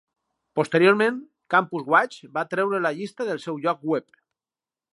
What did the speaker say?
Posteriorment, Campus Watch va treure la llista del seu lloc web.